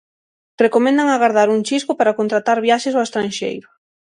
Recomendan agardar un chisco para contratar viaxes ao estranxeiro.